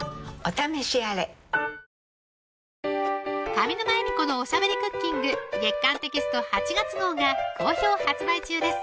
上沼恵美子のおしゃべりクッキング月刊テキスト８月号が好評発売中です